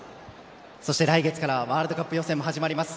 そして、来月からはワールドカップ予選も始まります。